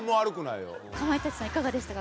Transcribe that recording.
いかがでしたか？